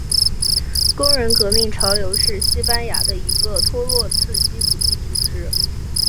工人革命潮流是西班牙的一个托洛茨基主义组织。